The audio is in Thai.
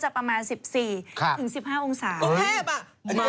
ประมาณ๑๔ถึง๑๕องศาโอ้โฮแพบอ่ะมาก